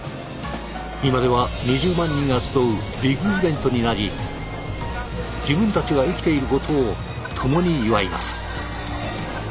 今では２０万人が集うビッグイベントになり自分たちが生きていることを共に祝います。